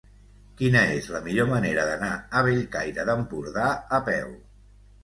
Quina és la millor manera d'anar a Bellcaire d'Empordà a peu?